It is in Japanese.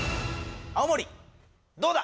青森どうだ？